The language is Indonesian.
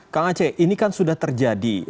kkac ini kan sudah terjadi